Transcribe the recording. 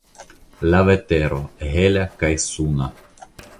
La vetero: hela kaj suna.